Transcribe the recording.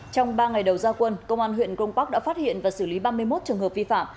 trong ba ngày đầu gia quân công an huyện grong park đã phát hiện và xử lý ba mươi một trường hợp vi phạm